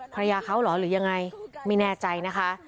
ภรรยาเขาเหรอหรือยังไงไม่แน่ใจนะคะ